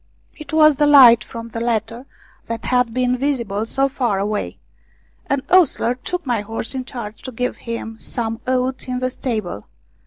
It was the light from the latter that had been visible so far away. An ostler took my horse in charge to give him some oats in the stable.